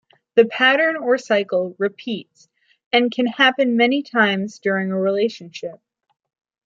The pattern, or cycle, repeats and can happen many times during a relationship.